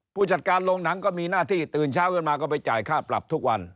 ผู้จัดการโรงหนังก็มีหน้าที่ตื่นเช้าขึ้นมาก็ไปจ่ายค่าปรับทุกวัน